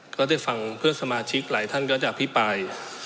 ก็ได้ฟังเพื่อนสมาชิกหลายท่านก็จะอภิปราย